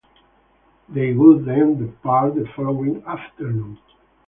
They would then depart the following afternoon.